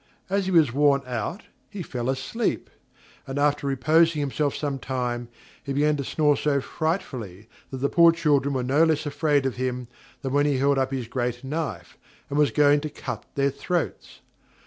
As he was worn out, he fell asleep: and, after reposing himself some time he began to snore so frightfully, that the poor children were no less afraid of him, than when he held up his great knife, and was going to cut their throats.